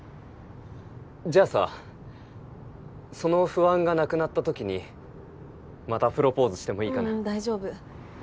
じゃあさその不安がなくなった時にまたプロポーズしてもいいかな？